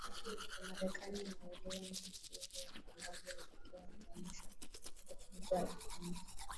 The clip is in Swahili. wa Marekani na Oliva Mutukuzi wa Zimbabwe ikiwa ni tamasha lake kubwa la kwanza